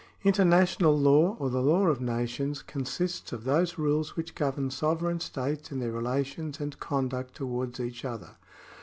International law or the law of nations consists of those rules which govern sovereign states in their relations and conduct towards each other.